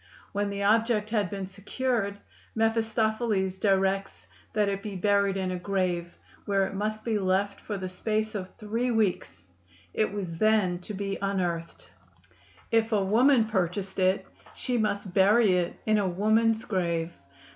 When the object had been secured, Mephistopheles directs that it be buried in a grave, where it must be left for the space of three weeks; it was then to be unearthed; if a woman purchased it, she must bury it in a woman's grave.